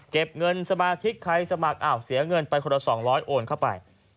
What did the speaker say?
เก็บเงินสมาชิกใครสมัครอ้าวเสียเงินไปคนละ๒๐๐โอนเข้าไป